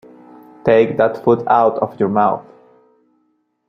Take that food out of your mouth.